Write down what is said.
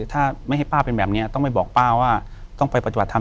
ถ้าไม่ให้ป้าเป็นแบบนี้ต้องไปบอกป้าว่าต้องไปปฏิบัติธรรม